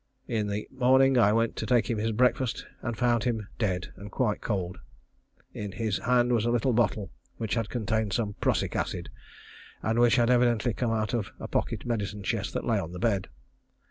In the morning I went in to take him his breakfast, and found him dead and quite cold. In his hand was a little bottle which had contained prussic acid, and which had evidently come out of a pocket medicine chest that lay on the bed.